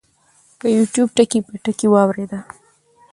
پۀ يو ټيوب ټکے پۀ ټکے واورېده -